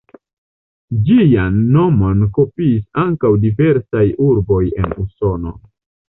Ĝian nomon kopiis ankaŭ diversaj urboj en Usono.